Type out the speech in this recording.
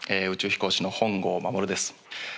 宇宙飛行士の本郷まもるです。